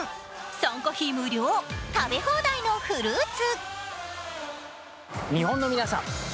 参加費無料、食べ放題のフルーツ。